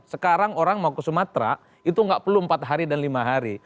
sekarang orang mau ke sumatera itu nggak perlu empat hari dan lima hari